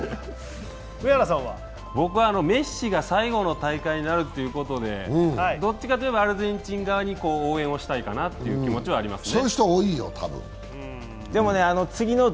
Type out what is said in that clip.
僕はメッシが最後の大会になるということで、どっちかといえばアルゼンチン側を応援したいかなっていう気持ちがありますね。